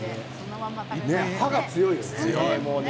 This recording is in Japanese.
歯が強いよね。